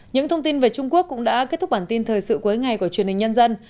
những thông tin về trung quốc cũng đã kết thúc bản tin thời sự cuối ngày của truyền hình nhân dân